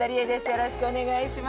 よろしくお願いします。